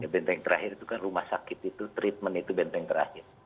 benteng terakhir itu kan rumah sakit itu treatment itu benteng terakhir